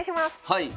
はい。